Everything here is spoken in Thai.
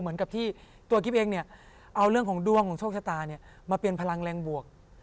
เหมือนกับที่ตัวกิ๊บเองเนี่ยเอาเรื่องของดวงของโชคชะตาเนี่ยมาเปลี่ยนพลังแรงบวก